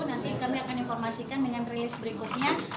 nanti kami akan informasikan dengan rilis berikutnya